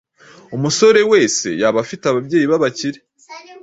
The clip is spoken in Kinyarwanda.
Umusore wese yaba afite ababyeyi b’abakire